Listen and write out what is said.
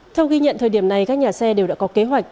theo ghi nhận thời điểm này các nhà xe đều đã có kế hoạch